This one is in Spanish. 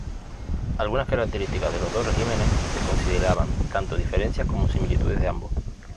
Algunas características de los dos regímenes se consideran tanto diferencias como similitudes de ambos.